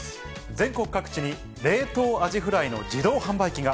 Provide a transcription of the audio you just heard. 全国各地に冷凍アジフライの自動販売機が。